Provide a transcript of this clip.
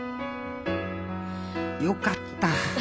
よかった！